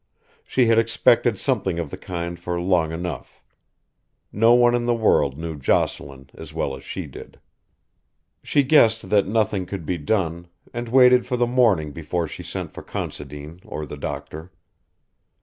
She had expected something of the kind for long enough. No one in the world knew Jocelyn as well as she did. She guessed that nothing could be done, and waited for the morning before she sent for Considine or the doctor.